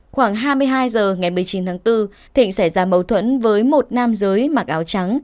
khoảng hai mươi hai h ngày một mươi chín tháng bốn thịnh xảy ra mâu thuẫn với một nam giới mặc áo trắng